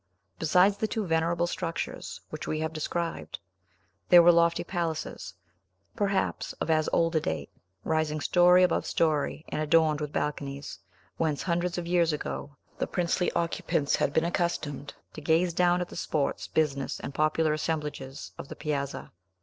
Besides the two venerable structures which we have described, there were lofty palaces, perhaps of as old a date, rising story above Story, and adorned with balconies, whence, hundreds of years ago, the princely occupants had been accustomed to gaze down at the sports, business, and popular assemblages of the piazza.